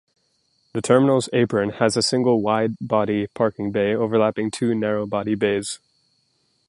The terminal's apron has a single wide-body parking bay overlapping two narrow-body bays.